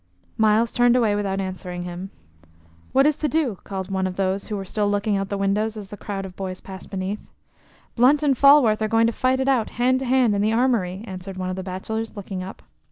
Myles turned away without answering him. "What is to do?" called one of those who were still looking out of the windows as the crowd of boys passed beneath. "Blunt and Falworth are going to fight it out hand to hand in the armory," answered one of the bachelors, looking up.